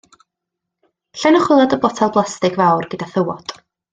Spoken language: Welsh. Llenwch waelod y botel blastig fawr gyda thywod.